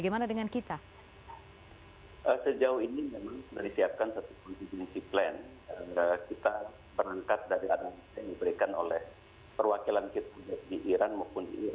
maupun duta besar iran ini